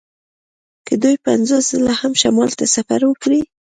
که دوی پنځوس ځله هم شمال ته سفر وکړي